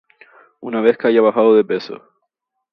Una vez que haya bajado de peso